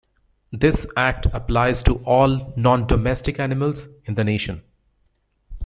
This act applies to all "non-domestic animals" in the nation.